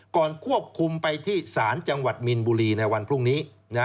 ควบคุมไปที่ศาลจังหวัดมีนบุรีในวันพรุ่งนี้